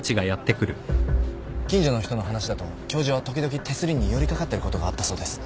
近所の人の話だと教授は時々手すりに寄り掛かってることがあったそうです。